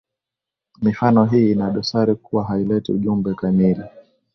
Mifano hii ina dosari kuwa haileti ujumbe kamili.